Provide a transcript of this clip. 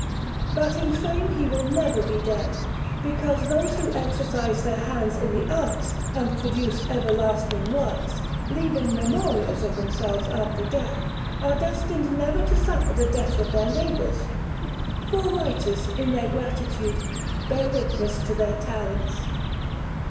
But in fame he will never be dead, because those who exercise their hands in the arts and produce everlasting works, leaving memorials of themselves after death, are destined never to suffer the death of their labours, for writers, in their gratitude, bear witness to their talents.